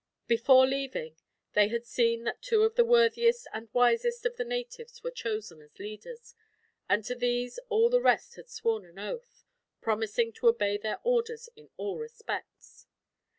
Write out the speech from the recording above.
Before leaving, they had seen that two of the worthiest and wisest of the natives were chosen as leaders, and to these all the rest had sworn an oath, promising to obey their orders in all respects.